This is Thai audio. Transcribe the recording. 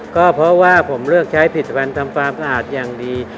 ก็เพราะว่าผมเลือกใช้ผลิตภัณฑ์ทำความสะอาดอย่างดี